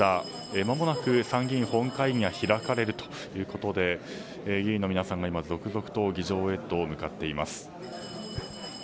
まもなく参議院本会議が開かれるということで議員の皆さんが続々と議場へ向かっています。